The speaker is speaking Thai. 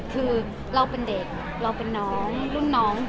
คือเราเป็นเด็กเราเป็นน้องรุ่นน้อง